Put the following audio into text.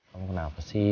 kamu kenapa sih